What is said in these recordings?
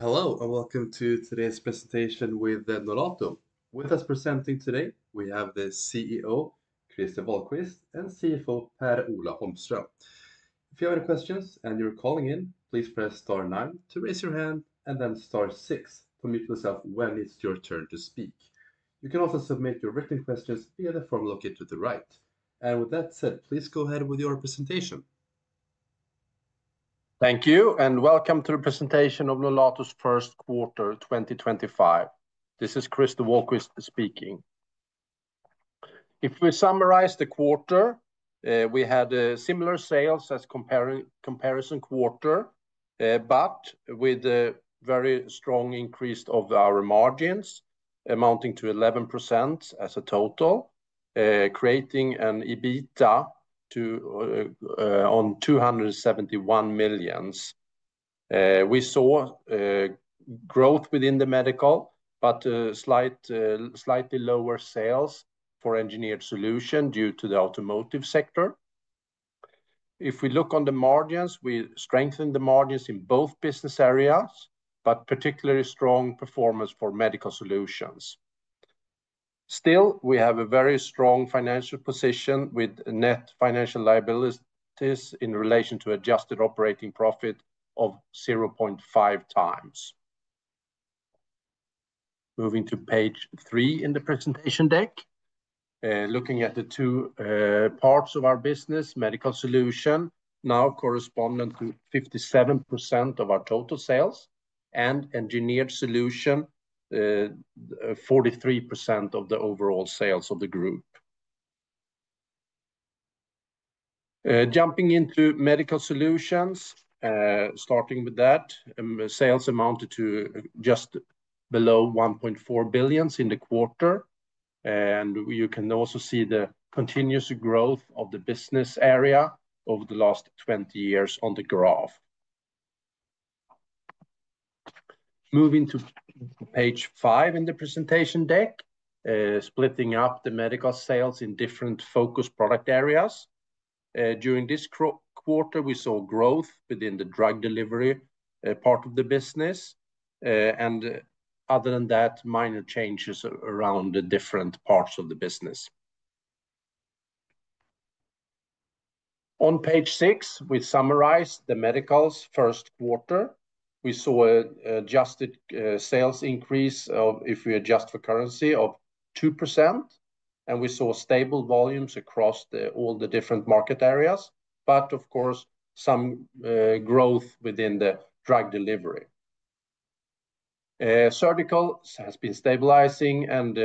Hello, and welcome to today's presentation with Nolato. With us presenting today, we have the CEO, Christer Wahlquist, and CFO, Per-Ola Holmström. If you have any questions and you're calling in, please press star 9 to raise your hand, and then star 6 to mute yourself when it's your turn to speak. You can also submit your written questions via the form located to the right. With that said, please go ahead with your presentation. Thank you, and welcome to the presentation of Nolato's First Quarter 2025. This is Christer Wahlquist speaking. If we summarize the quarter, we had a similar sales as comparison quarter, but with a very strong increase of our margins, amounting to 11% as a total, creating an EBITDA on SEK 271 million. We saw growth within the medical, but slightly lower sales for engineered solutions due to the automotive sector. If we look on the margins, we strengthened the margins in both business areas, but particularly strong performance for medical solutions. Still, we have a very strong financial position with net financial liabilities in relation to adjusted operating profit of 0.5 times. Moving to page three in the presentation deck, looking at the two parts of our business, medical solution, now corresponding to 57% of our total sales, and engineered solution, 43% of the overall sales of the group. Jumping into medical solutions, starting with that, sales amounted to just below 1.4 billion in the quarter, and you can also see the continuous growth of the business area over the last 20 years on the graph. Moving to page five in the presentation deck, splitting up the medical sales in different focus product areas. During this quarter, we saw growth within the drug delivery part of the business, and other than that, minor changes around the different parts of the business. On page six, we summarized the medical's first quarter. We saw an adjusted sales increase, if we adjust for currency, of 2%, and we saw stable volumes across all the different market areas, but of course, some growth within the drug delivery. Surgical has been stabilizing, and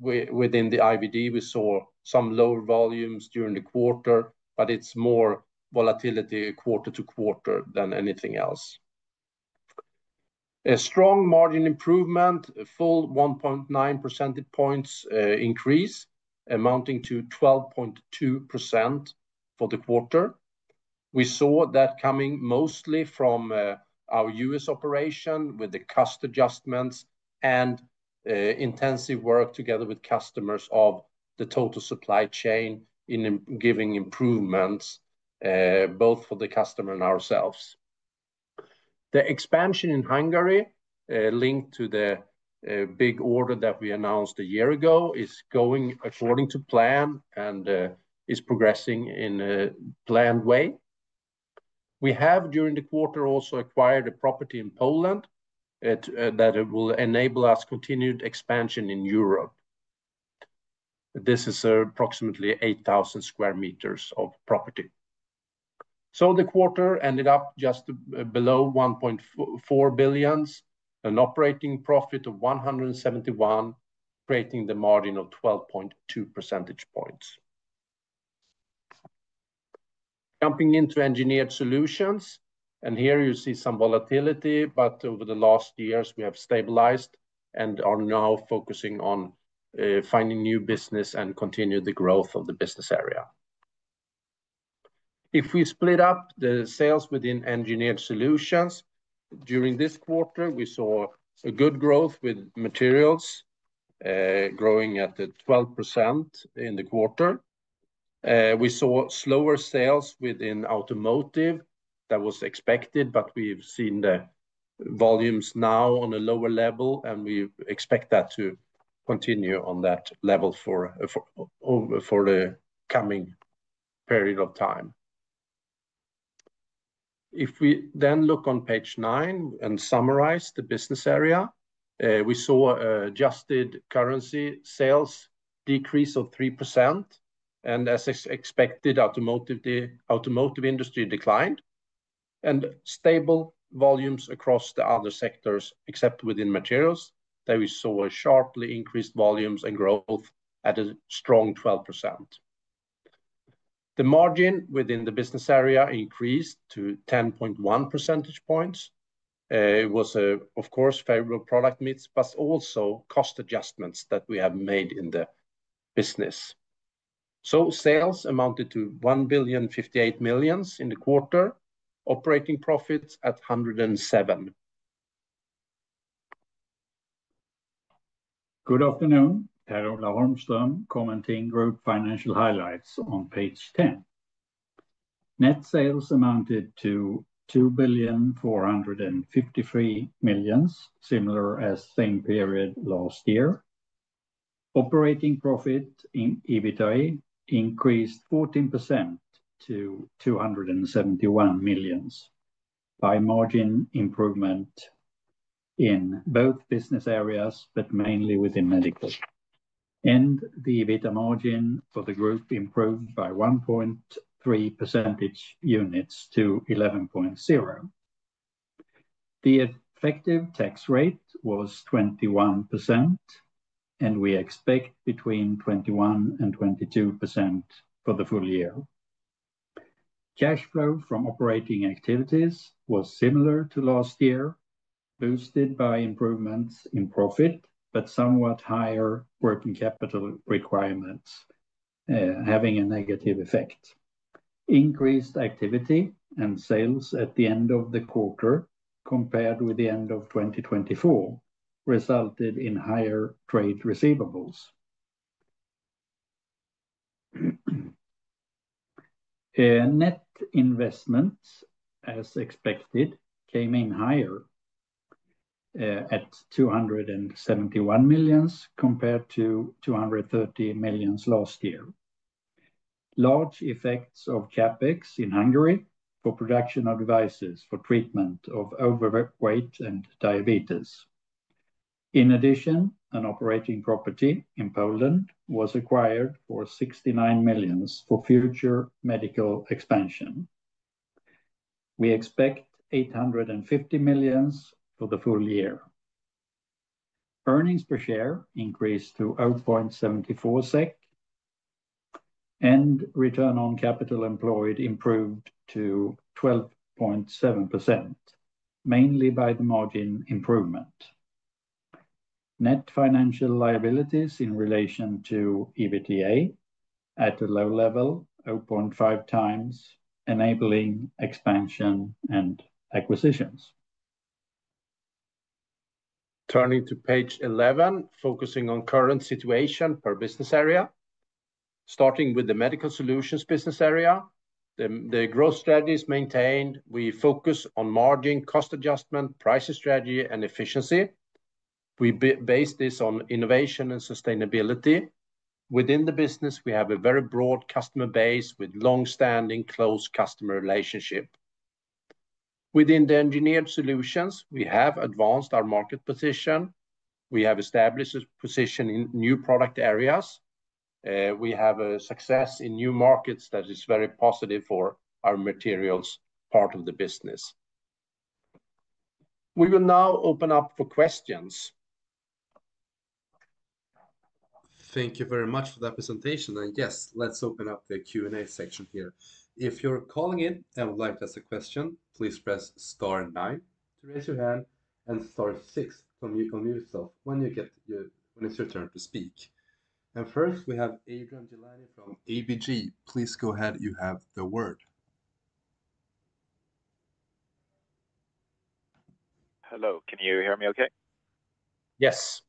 within the IVD, we saw some lower volumes during the quarter, but it's more volatility quarter to quarter than anything else. A strong margin improvement, full 1.9 percentage points increase, amounting to 12.2% for the quarter. We saw that coming mostly from our U.S. operation with the cost adjustments and intensive work together with customers of the total supply chain in giving improvements both for the customer and ourselves. The expansion in Hungary, linked to the big order that we announced a year ago, is going according to plan and is progressing in a planned way. We have, during the quarter, also acquired a property in Poland that will enable us continued expansion in Europe. This is approximately 8,000 sq m of property. The quarter ended up just below 1.4 billion, an operating profit of 171 million, creating the margin of 12.2 percentage points. Jumping into engineered solutions, and here you see some volatility, but over the last years, we have stabilized and are now focusing on finding new business and continuing the growth of the business area. If we split up the sales within engineered solutions, during this quarter, we saw a good growth with materials growing at 12% in the quarter. We saw slower sales within automotive that was expected, but we've seen the volumes now on a lower level, and we expect that to continue on that level for the coming period of time. If we then look on page nine and summarize the business area, we saw adjusted currency sales decrease of 3%, and as expected, the automotive industry declined, and stable volumes across the other sectors except within materials. There we saw a sharply increased volumes and growth at a strong 12%. The margin within the business area increased to 10.1 percentage points. It was, of course, favorable product needs, but also cost adjustments that we have made in the business. Sales amounted to 1,058 million in the quarter, operating profits at 107 million. Good afternoon, Per-Ola Holmström, commenting group financial highlights on page 10. Net sales amounted to 2 billion 453 million, similar as same period last year. Operating profit in EBITDA increased 14% to 271 million by margin improvement in both business areas, but mainly within medical. The EBITDA margin for the group improved by 1.3 percentage points to 11.0%. The effective tax rate was 21%, and we expect between 21% and 22% for the full year. Cash flow from operating activities was similar to last year, boosted by improvements in profit, but somewhat higher working capital requirements having a negative effect. Increased activity and sales at the end of the quarter compared with the end of 2024 resulted in higher trade receivables. Net investments, as expected, came in higher at 271 million compared to 230 million last year. Large effects of CapEx in Hungary for production of devices for treatment of overweight and diabetes. In addition, an operating property in Poland was acquired for 69 million for future medical expansion. We expect 850 million for the full year. Earnings per share increased to 0.74 SEK, and return on capital employed improved to 12.7%, mainly by the margin improvement. Net financial liabilities in relation to EBITDA at a low level, 0.5 times, enabling expansion and acquisitions. Turning to page 11, focusing on current situation per business area. Starting with the Medical Solutions business area, the growth strategy is maintained. We focus on margin, cost adjustment, pricing strategy, and efficiency. We base this on innovation and sustainability. Within the business, we have a very broad customer base with long-standing close customer relationship. Within the Engineered Solutions, we have advanced our market position. We have established a position in new product areas. We have a success in new markets that is very positive for our Materials part of the business. We will now open up for questions. Thank you very much for that presentation. Yes, let's open up the Q&A section here. If you're calling in and would like to ask a question, please press star nine to raise your hand and star six on yourself when it's your turn to speak. First, we have Adrian Delaney from ABG. Please go ahead. You have the word. Hello. Can you hear me okay? Yes.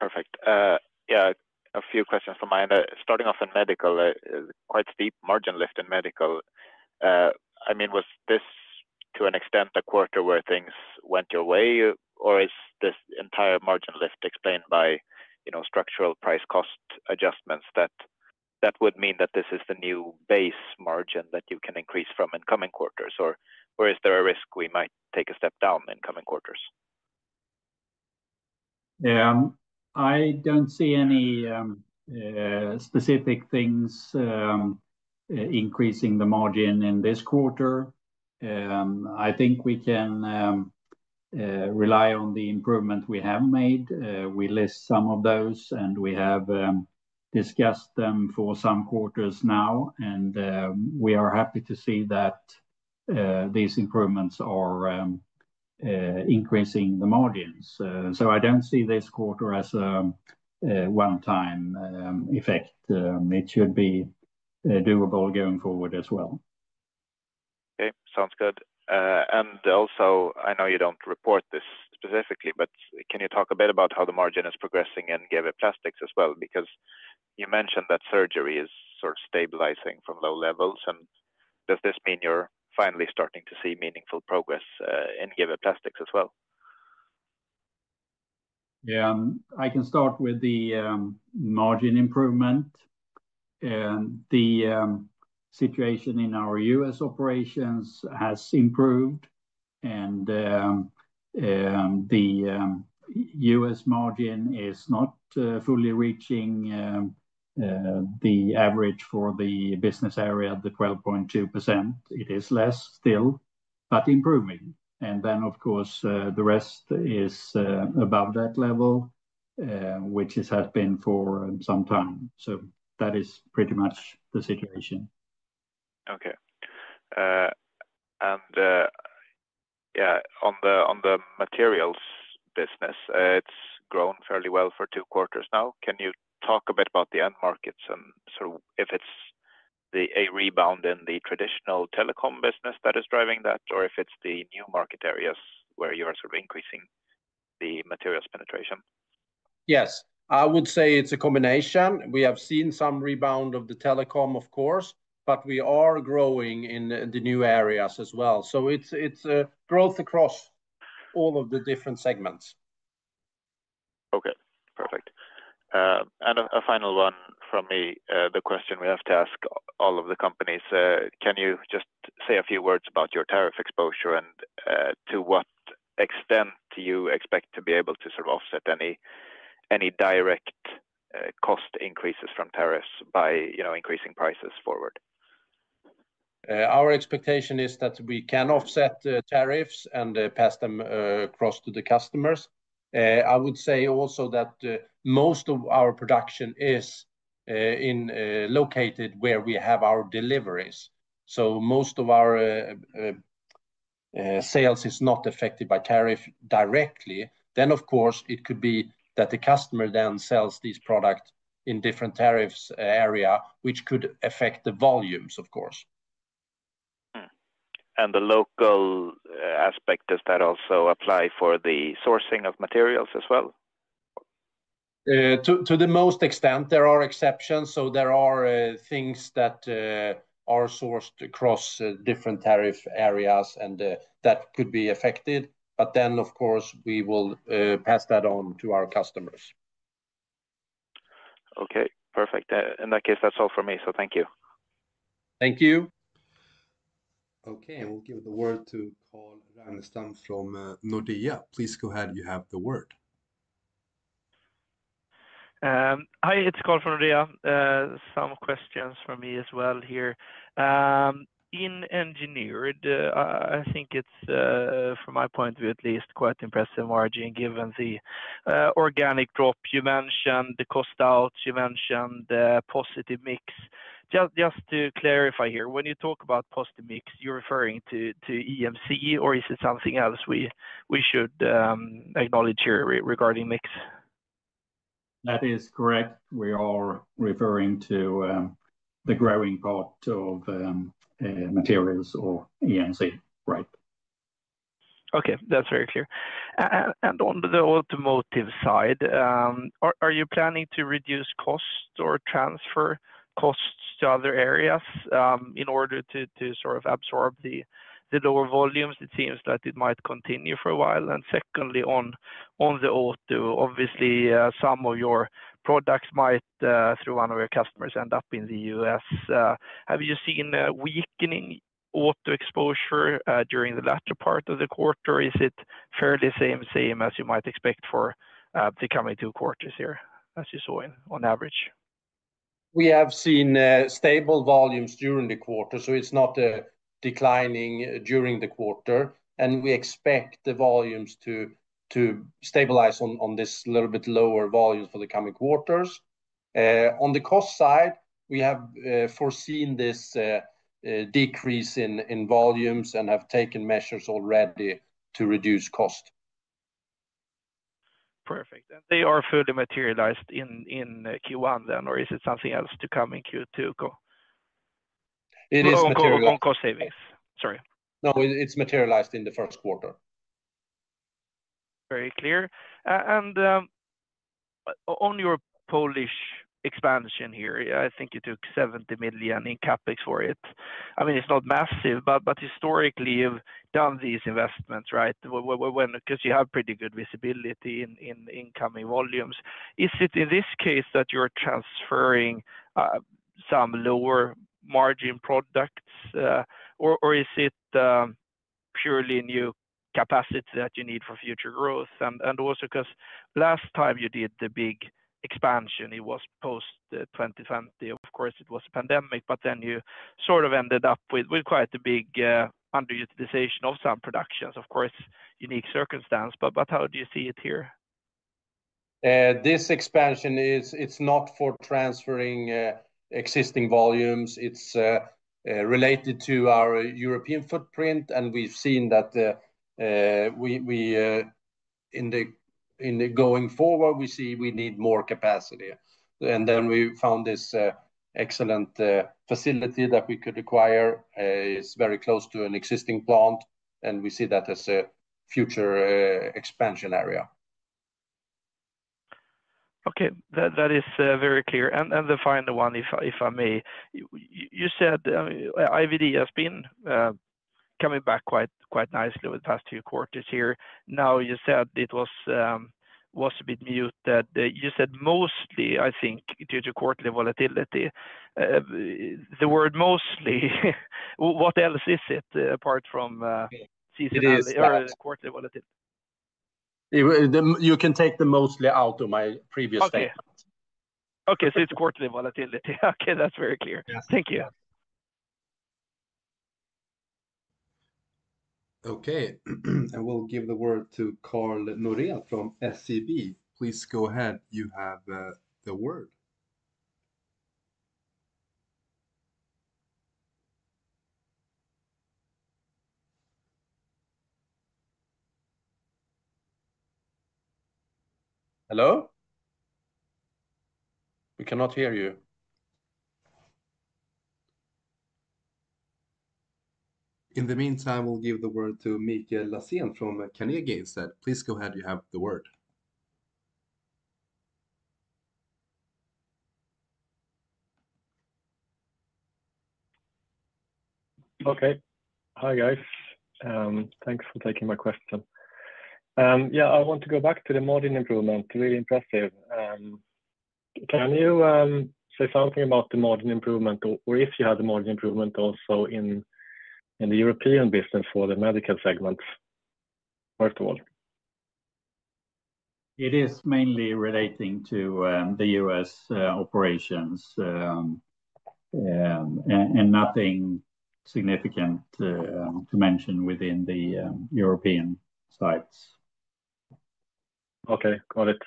Perfect. Yeah, a few questions from my end. Starting off in medical, quite steep margin lift in medical. I mean, was this to an extent a quarter where things went your way, or is this entire margin lift explained by structural price cost adjustments that would mean that this is the new base margin that you can increase from in coming quarters, or is there a risk we might take a step down in coming quarters? Yeah, I don't see any specific things increasing the margin in this quarter. I think we can rely on the improvement we have made. We list some of those, and we have discussed them for some quarters now, and we are happy to see that these improvements are increasing the margins. I don't see this quarter as a one-time effect. It should be doable going forward as well. Okay, sounds good. I know you do not report this specifically, but can you talk a bit about how the margin is progressing in Gavit Plastics as well? You mentioned that surgery is sort of stabilizing from low levels, and does this mean you are finally starting to see meaningful progress in Gavit Plastics as well? Yeah, I can start with the margin improvement. The situation in our U.S. operations has improved, and the U.S. margin is not fully reaching the average for the business area, the 12.2%. It is less still, but improving. Of course, the rest is above that level, which has been for some time. That is pretty much the situation. Okay. Yeah, on the materials business, it's grown fairly well for two quarters now. Can you talk a bit about the end markets and sort of if it's a rebound in the traditional telecom business that is driving that, or if it's the new market areas where you are sort of increasing the materials penetration? Yes, I would say it's a combination. We have seen some rebound of the telecom, of course, but we are growing in the new areas as well. It's growth across all of the different segments. Okay, perfect. A final one from me, the question we have to ask all of the companies. Can you just say a few words about your tariff exposure and to what extent do you expect to be able to sort of offset any direct cost increases from tariffs by increasing prices forward? Our expectation is that we can offset tariffs and pass them across to the customers. I would say also that most of our production is located where we have our deliveries. So most of our sales is not affected by tariff directly. Then, of course, it could be that the customer then sells these products in different tariffs area, which could affect the volumes, of course. Does that local aspect also apply for the sourcing of materials as well? To the most extent, there are exceptions. There are things that are sourced across different tariff areas and that could be affected, but then, of course, we will pass that on to our customers. Okay, perfect. In that case, that's all for me. Thank you. Thank you. Okay, and we'll give the word to Carl Ragnerstam from Nordea. Please go ahead. You have the word. Hi, it's Carl from Nordea. Some questions for me as well here. In engineered, I think it's, from my point of view at least, quite impressive margin given the organic drop you mentioned, the cost out you mentioned, the positive mix. Just to clarify here, when you talk about positive mix, you're referring to EMC, or is it something else we should acknowledge here regarding mix? That is correct. We are referring to the growing part of materials or EMC, right? Okay, that's very clear. On the automotive side, are you planning to reduce costs or transfer costs to other areas in order to sort of absorb the lower volumes? It seems that it might continue for a while. Secondly, on the auto, obviously, some of your products might, through one of your customers, end up in the U.S. Have you seen a weakening auto exposure during the latter part of the quarter? Is it fairly the same as you might expect for the coming two quarters here, as you saw on average? We have seen stable volumes during the quarter, so it's not declining during the quarter, and we expect the volumes to stabilize on this little bit lower volume for the coming quarters. On the cost side, we have foreseen this decrease in volumes and have taken measures already to reduce cost. Perfect. Are they fully materialized in Q1 then, or is it something else to come in Q2? It is materialized. On cost savings. Sorry. No, it's materialized in the first quarter. Very clear. On your Polish expansion here, I think you took 70 million in CapEx for it. I mean, it's not massive, but historically, you've done these investments, right? Because you have pretty good visibility in incoming volumes. Is it in this case that you're transferring some lower margin products, or is it purely new capacity that you need for future growth? Also, last time you did the big expansion, it was post 2020. Of course, it was a pandemic, but then you sort of ended up with quite a big underutilization of some productions. Of course, unique circumstance, but how do you see it here? This expansion, it's not for transferring existing volumes. It's related to our European footprint, and we've seen that in the going forward, we see we need more capacity. We found this excellent facility that we could acquire. It's very close to an existing plant, and we see that as a future expansion area. Okay, that is very clear. The final one, if I may, you said IVD has been coming back quite nicely over the past two quarters here. Now, you said it was a bit muted. You said mostly, I think, due to quarterly volatility. The word mostly, what else is it apart from seasonality or quarterly volatility? You can take the mostly out of my previous statement. Okay, so it's quarterly volatility. Okay, that's very clear. Thank you. Okay, and we'll give the word to Carl Norial from SCB. Please go ahead. You have the word. Hello? We cannot hear you. In the meantime, we'll give the word to Michael Lassien from Carnegie. Please go ahead. You have the word. Okay. Hi, guys. Thanks for taking my question. Yeah, I want to go back to the margin improvement. Really impressive. Can you say something about the margin improvement, or if you have the margin improvement also in the European business for the medical segment, first of all? It is mainly relating to the U.S. operations and nothing significant to mention within the European sides. Okay, got it.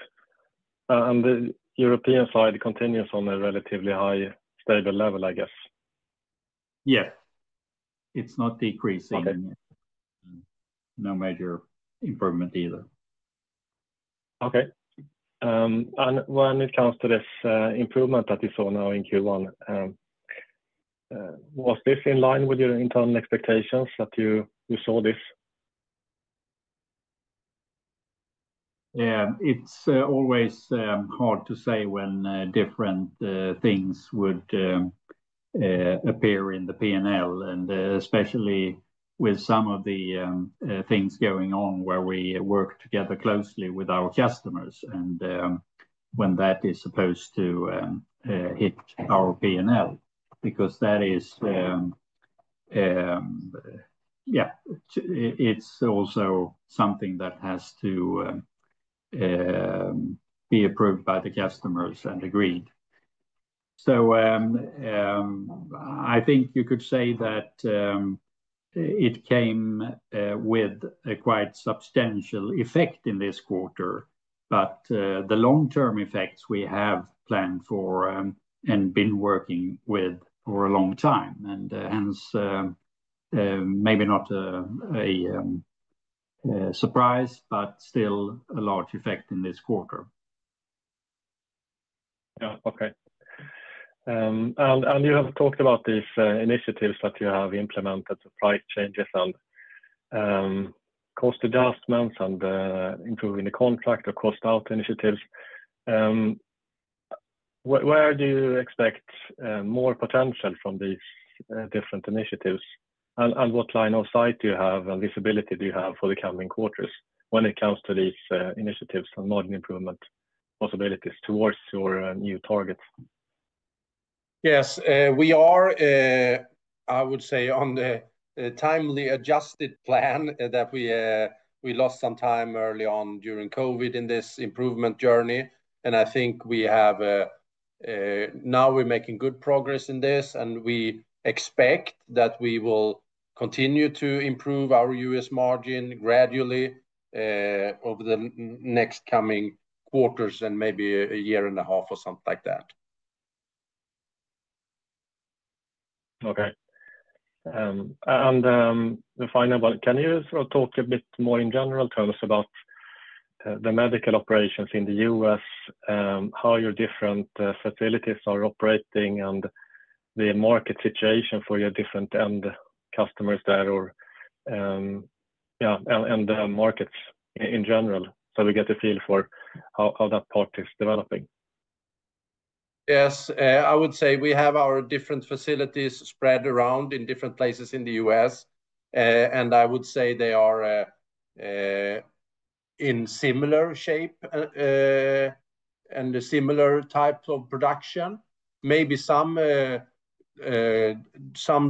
The European side continues on a relatively high, stable level, I guess. Yes. It's not decreasing. No major improvement either. Okay. When it comes to this improvement that you saw now in Q1, was this in line with your internal expectations that you saw this? Yeah, it's always hard to say when different things would appear in the P&L, and especially with some of the things going on where we work together closely with our customers and when that is supposed to hit our P&L, because that is, yeah, it's also something that has to be approved by the customers and agreed. I think you could say that it came with a quite substantial effect in this quarter, but the long-term effects we have planned for and been working with for a long time, and hence maybe not a surprise, but still a large effect in this quarter. Yeah, okay. You have talked about these initiatives that you have implemented, price changes and cost adjustments and improving the contract or cost out initiatives. Where do you expect more potential from these different initiatives? What line of sight do you have and visibility do you have for the coming quarters when it comes to these initiatives and margin improvement possibilities towards your new targets? Yes, we are, I would say, on the timely adjusted plan that we lost some time early on during COVID in this improvement journey. I think we have now we're making good progress in this, and we expect that we will continue to improve our U.S. margin gradually over the next coming quarters and maybe a year and a half or something like that. Okay. The final one, can you sort of talk a bit more in general to us about the medical operations in the U.S., how your different facilities are operating, and the market situation for your different end customers there, or yeah, and the markets in general? We get a feel for how that part is developing. Yes, I would say we have our different facilities spread around in different places in the U.S., and I would say they are in similar shape and similar types of production. Maybe some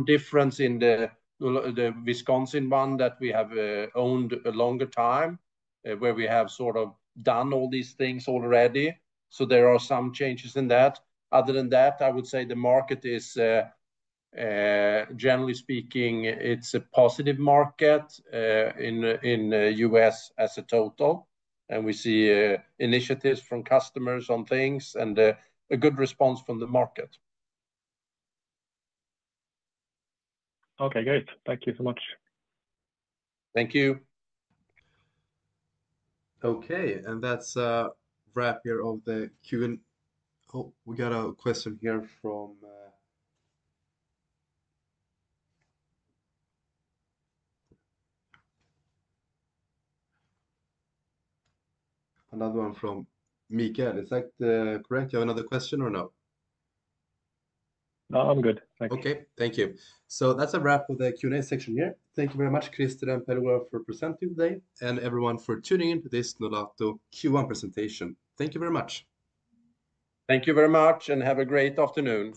difference in the Wisconsin one that we have owned a longer time where we have sort of done all these things already. There are some changes in that. Other than that, I would say the market is, generally speaking, it's a positive market in the U.S. as a total, and we see initiatives from customers on things and a good response from the market. Okay, great. Thank you so much. Thank you. Okay, and that's a wrap here of the Q&A. Oh, we got a question here from another one from Michael. Is that correct? Do you have another question or no? No, I'm good. Thank you. Okay, thank you. That's a wrap for the Q&A section here. Thank you very much, Christer and Per-Ola, for presenting today, and everyone for tuning into this Nolato Q1 presentation. Thank you very much. Thank you very much, and have a great afternoon.